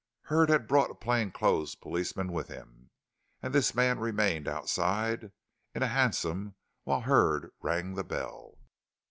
Hurd had brought a plain clothes policeman with him, and this man remained outside in a hansom while Hurd rang the bell.